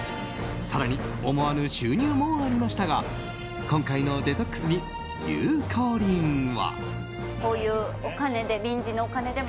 更に、思わぬ収入もありましたが今回のデトックスにゆうこりんは。